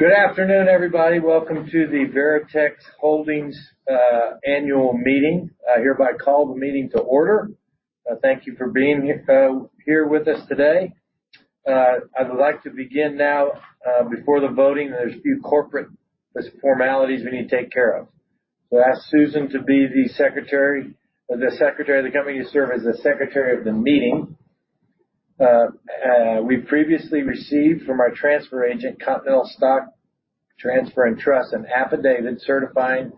Good afternoon, everybody. Welcome to the Veritex Holdings annual meeting. I hereby call the meeting to order. Thank you for being here with us today. I would like to begin now. Before the voting, there's a few corporate formalities we need to take care of. I ask Susan to be the secretary of the company to serve as the secretary of the meeting. We previously received from our transfer agent, Computershare Trust Company, N.A., an affidavit certifying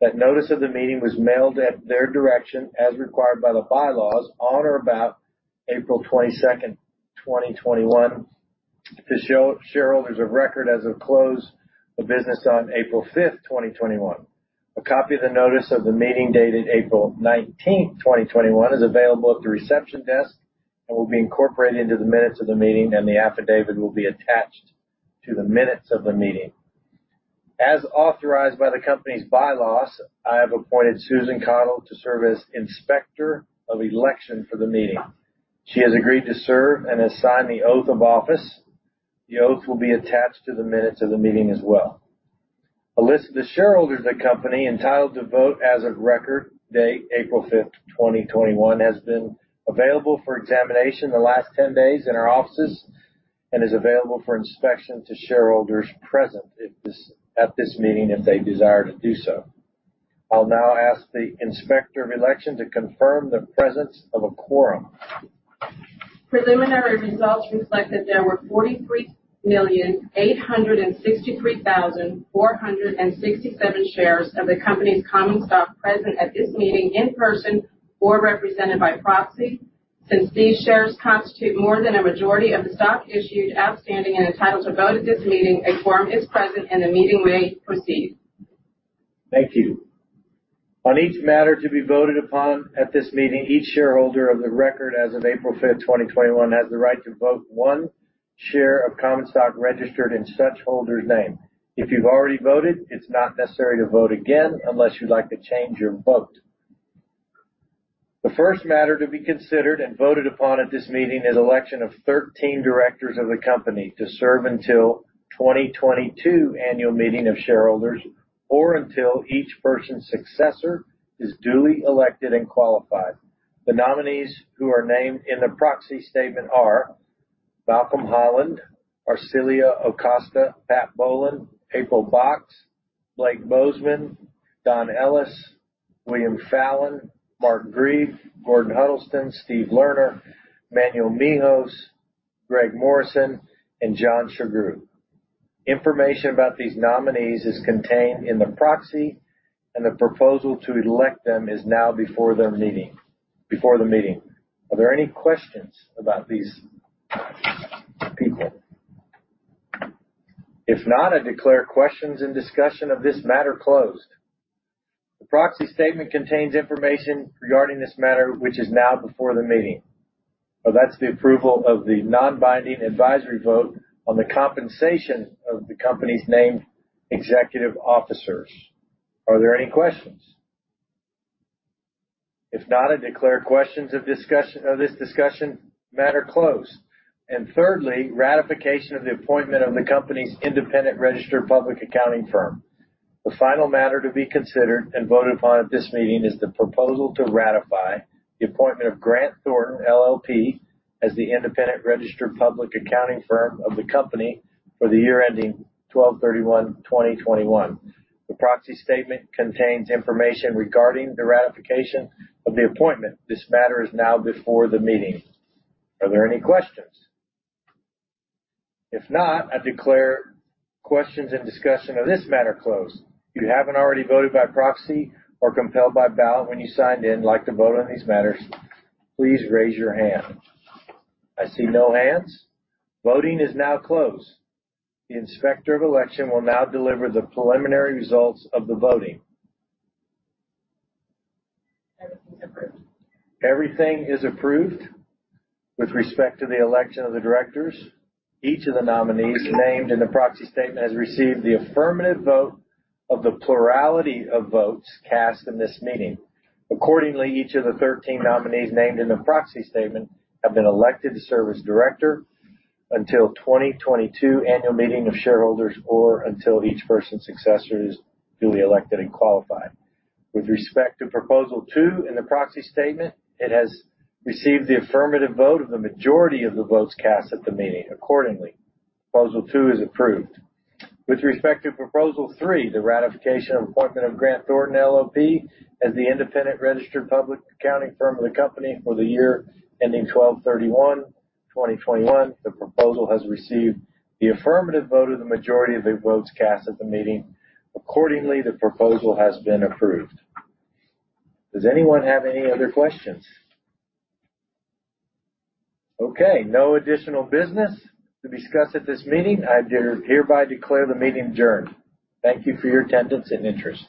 that notice of the meeting was mailed at their direction as required by the bylaws on or about April 22nd, 2021, to shareholders of record as of close of business on April 5th, 2021. A copy of the notice of the meeting dated April 19th, 2021, is available at the reception desk and will be incorporated into the minutes of the meeting, and the affidavit will be attached to the minutes of the meeting. As authorized by the company's bylaws, I have appointed Susan Caudle to serve as Inspector of Election for the meeting. She has agreed to serve and has signed the oath of office. The oath will be attached to the minutes of the meeting as well. A list of the shareholders of the company entitled to vote as of record date April 5th, 2021, has been available for examination in the last 10 days in our offices and is available for inspection to shareholders present at this meeting if they desire to do so. I'll now ask the Inspector of Election to confirm the presence of a quorum. Preliminary results reflect that there were 43,863,467 shares of the company's common stock present at this meeting in person or represented by proxy. Since these shares constitute more than a majority of the stock issued, outstanding, and entitled to vote at this meeting, a quorum is present, and the meeting may proceed. Thank you. On each matter to be voted upon at this meeting, each shareholder on the record as of April 5th, 2021, has the right to vote one share of common stock registered in such holder's name. If you've already voted, it's not necessary to vote again unless you'd like to change your vote. The first matter to be considered and voted upon at this meeting is election of 13 directors of the Company to serve until 2022 annual meeting of shareholders or until each person's successor is duly elected and qualified. The nominees who are named in the proxy statement are Malcolm Holland, Arcilia Acosta, Pat Bolin, April Box, Blake Bozman, Donald Ellis, William Fallon, Mark Griege, Gordon Huddleston, Steven Lerner, Manuel Mehos, Gregory Morrison, and John Sugrue. Information about these nominees is contained in the proxy, and a proposal to elect them is now before the meeting. Are there any questions about these people? If not, I declare questions and discussion of this matter closed. The proxy statement contains information regarding this matter, which is now before the meeting. That's the approval of the non-binding advisory vote on the compensation of the company's named executive officers. Are there any questions? If not, I declare questions of this discussion matter closed. Thirdly, ratification of the appointment of the company's independent registered public accounting firm. The final matter to be considered and voted upon at this meeting is the proposal to ratify the appointment of Grant Thornton LLP as the independent registered public accounting firm of the company for the year ending 12/31/2021. The proxy statement contains information regarding the ratification of the appointment. This matter is now before the meeting. Are there any questions? If not, I declare questions and discussion of this matter closed. If you haven't already voted by proxy or compelled by ballot when you signed in and would like to vote on these matters, please raise your hand. I see no hands. Voting is now closed. The Inspector of Election will now deliver the preliminary results of the voting. Everything is approved with respect to the election of the directors. Each of the nominees named in the proxy statement has received the affirmative vote of the plurality of votes cast in this meeting. Accordingly, each of the 13 nominees named in the proxy statement have been elected to serve as director until 2022 annual meeting of shareholders or until each person's successor is duly elected and qualified. With respect to proposal two in the proxy statement, it has received the affirmative vote of the majority of the votes cast at the meeting. Accordingly, proposal two is approved. With respect to proposal three, the ratification of appointment of Grant Thornton LLP as the independent registered public accounting firm of the company for the year ending 12/31/2021, the proposal has received the affirmative vote of the majority of the votes cast at the meeting. Accordingly, the proposal has been approved. Does anyone have any other questions? Okay. No additional business to discuss at this meeting. I hereby declare the meeting adjourned. Thank you for your attendance and interest.